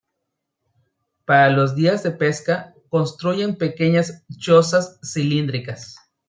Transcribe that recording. Para los días de pesca construyen pequeñas chozas cilíndricas.